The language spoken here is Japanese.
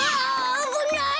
あぶない。